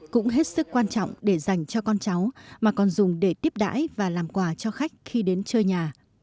cũng hết sức quan trọng để dành cho con cháu mà còn dùng để tiếp đãi và làm quà cho khách khi đến chơi nhà